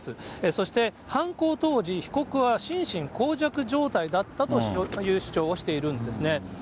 そして、犯行当時、被告は心神耗弱状態だったという主張をしているんですね。